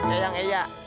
eh yang eya